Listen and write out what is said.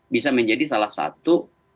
bisa menjadi salah satu